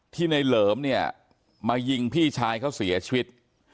ในเหลิมเนี่ยมายิงพี่ชายเขาเสียชีวิต